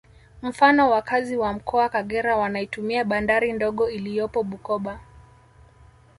Mfano wakazi wa Mkoa Kagera wanaitumia bandari ndogo iliyopo Bukoba